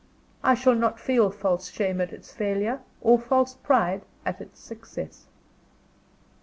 I shall not feel false shame at its failure, or false pride at its success.